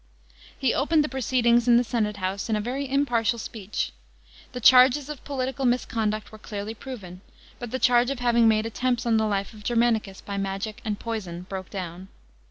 He opened the proceedings in the senate house in a very impartial speech. The charges of political misconduct were clearly proven, but the charge of having made attempts on the life of Germanicus by magic and poison broke down.